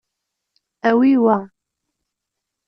Awi wa.